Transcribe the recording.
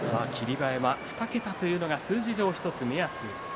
馬山２桁というのが数字上１つの目安です。